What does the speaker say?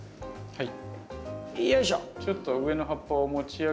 はい。